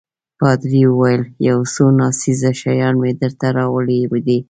پادري وویل: یو څو ناڅېزه شیان مې درته راوړي دي.